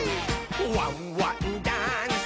「ワンワンダンス！」